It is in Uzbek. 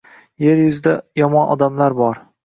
Yer yuzida yomon odamlar bor.